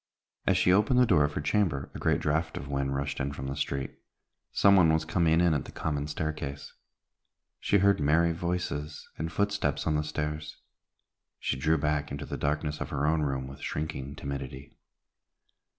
As she opened the door of her chamber, a great draught of wind rushed in from the street. Some one was coming in at the common staircase. She heard merry voices and footsteps on the stairs. She drew back into the darkness of her own room with shrinking timidity.